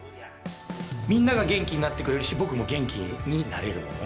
みんなが元気になってくれるし、僕も元気になれるもの。